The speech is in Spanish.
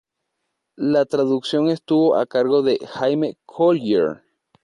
La traducción estuvo a cargo de Jaime Collyer.